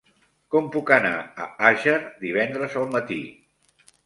Com puc anar a Àger divendres al matí?